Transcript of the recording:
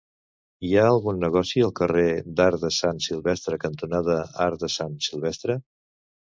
Hi ha algun negoci al carrer Arc de Sant Silvestre cantonada Arc de Sant Silvestre?